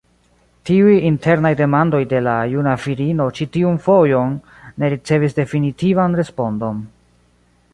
Tiuj internaj demandoj de la juna virino ĉi tiun fojon ne ricevis definitivan respondon.